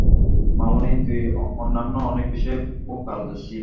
মামুনি, তুই অন্যান্য অনেক বিষয়েও পারদর্শী।